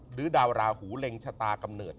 ดาวราหูเล็งชะตากำเนิด